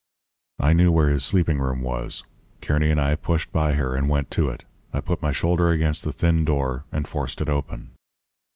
"I knew where his sleeping room was. Kearny and I pushed by her and went to it. I put my shoulder against the thin door and forced it open.